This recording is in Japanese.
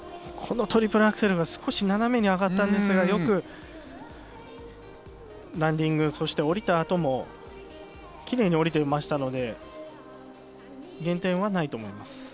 このトリプルアクセルが少し斜めに上がったんですが、よくランディング、そして、おりた後もキレイにおりていましたので減点はないと思います。